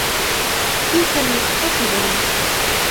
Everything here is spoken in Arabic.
في فمي وفي دمي